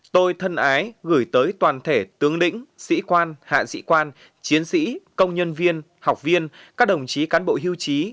tôi thân ái gửi tới toàn thể tướng lĩnh sĩ quan hạ sĩ quan chiến sĩ công nhân viên học viên các đồng chí cán bộ hưu trí